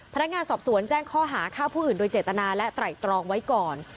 พนักงานสอบสวนแจ้งข้อหาฆ่าผู้อื่นโดยเจตนาและไตรตรองไว้ก่อน